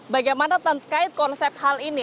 bagaimana terkait konsep hal ini